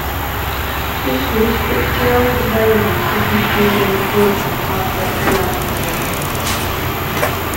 This was Fitzgerald and Basie's second studio recording after Ella and Basie!